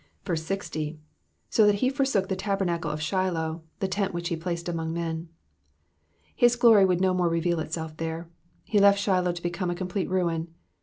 60. ^ that he forsook the tabernacle of Shiloh^ the tent which he placed among men,^^ His glory would no more reveal itself there, he left Shiloh to become a complete ruin.